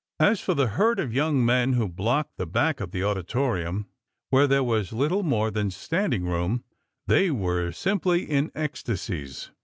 As for the herd of young men who blocked the back of the auditorium, where there was little more than standing room, they were simply in ecstasies.